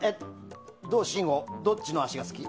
信五、どっちの足が好き？